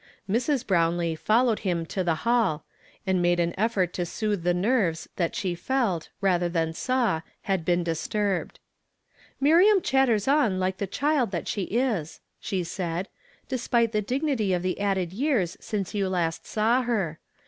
Mrs. lirownlee followed him to the hall, and made an effort to soothe the nerves that shi; i'ldt, rather than saw, had heen disturbed. "■Miriam eliatters on like the ehild that she is," she said, " despite the dignity of the added years since you last saw her.